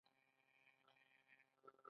آیا کاناډا د احصایې اداره نلري؟